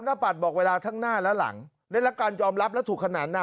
หน้าปัดบอกเวลาทั้งหน้าและหลังในลักษณ์ยอมรับและถูกขนาดน่ะ